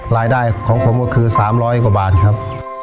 รายได้ของผมก็คือ๓๐๐กว่าบาทครับ